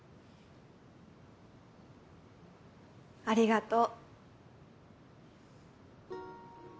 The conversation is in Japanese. ありがとう。